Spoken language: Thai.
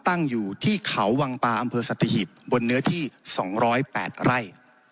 ตั้งอยู่ที่เขาวังปลาอำเภอสัตหิบบนเนื้อที่๒๐๘ไร่